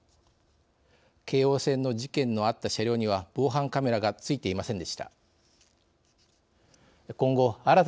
京王線の事件のあった車両には防犯カメラがついていませんでした。